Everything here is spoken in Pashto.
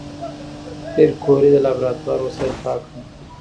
پېیر کوري د لابراتوار وسایل پاک کړل.